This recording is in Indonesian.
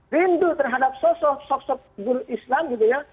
rindu terhadap sosok sosok bul islam gitu ya